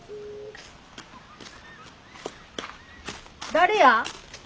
誰や？